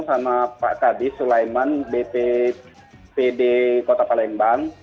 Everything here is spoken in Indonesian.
sama pak tadi sulaiman btpd kota palembang